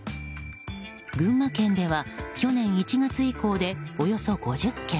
群馬県では去年１月以降でおよそ５０件。